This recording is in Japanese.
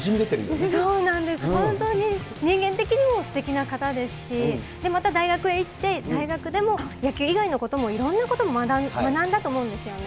そうなんです、本当に人間的にもすてきな方ですし、また大学へ行って、大学でも野球以外のこともいろんなことを学んだと思うんですよね。